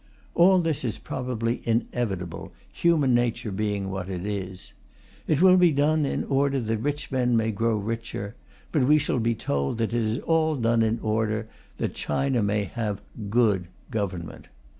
All this is probably inevitable, human nature being what it is. It will be done in order that rich men may grow richer, but we shall be told that it is done in order that China may have "good" government.